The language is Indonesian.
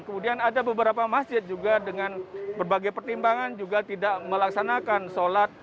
kemudian ada beberapa masjid juga dengan berbagai pertimbangan juga tidak melaksanakan sholat